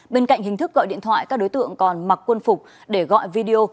bên cạnh hình thức gọi điện thoại các đối tượng còn mặc quân phục để gọi video